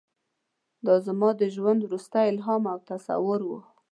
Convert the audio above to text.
دا زما د ژوند وروستی الهام او تصور و.